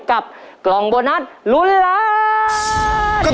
กับกล่องโบนัสลุ้นล้าน